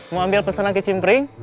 mau ambil peserang ke cimpring